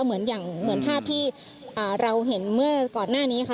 เหมือนอย่างเหมือนภาพที่เราเห็นเมื่อก่อนหน้านี้ค่ะ